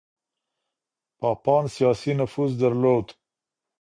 پاپان سياسي نفوذ درلود.